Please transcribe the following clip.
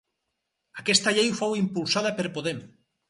Aquesta llei fou impulsada per Podem.